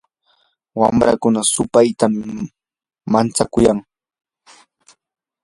wamrakuna supaytam mantsakuyan.